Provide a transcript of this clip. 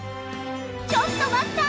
ちょっと待った！